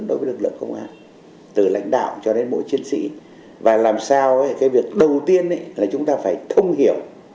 đối với lực lượng công an từ lãnh đạo cho đến mỗi chiến sĩ và làm sao cái việc đầu tiên là chúng ta phải thông hiểu